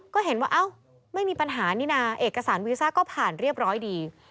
ก็เห็นว่าเอ้าไม่มีปัญหานี่นะเอกสารวีซ่าก็ผ่านเรียบร้อยดี